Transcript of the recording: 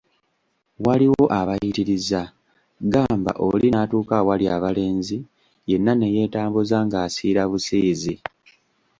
Waliwo abayitiriza, gamba oli natuuka awali abalenzi yenna ne yeetambuza ng'asiirabusiizi.